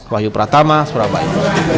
wahyu pratama surabaya